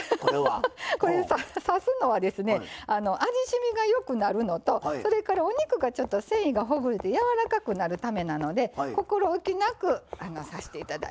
刺すのは味しみがよくなるのとそれからお肉、繊維がほぐれてやわらかくなるためなので心おきなく刺していただいて。